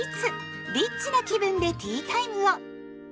リッチな気分でティータイムを。